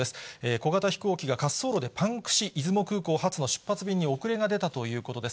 小型飛行機が滑走路でパンクし、出雲空港発の出発便に遅れが出たということです。